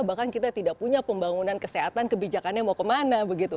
bahkan kita tidak punya pembangunan kesehatan kebijakannya mau kemana begitu